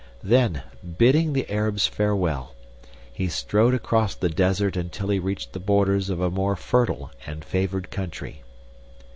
Then, bidding the Arabs farewell, he strode across the desert until he reached the borders of a more fertile and favored country.